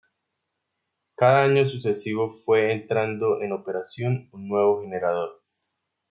Cada año sucesivo fue entrando en operación un nuevo generador.